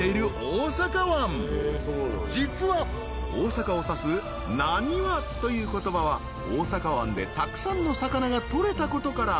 ［実は大阪を指す「浪速」という言葉は大阪湾でたくさんの魚が取れたことから］